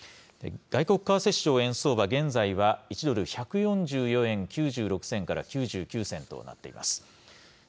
外国為替市場円相場、現在は１ドル１４４円９６銭から９９銭となっています。